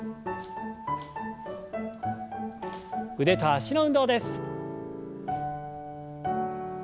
腕と脚の運動です。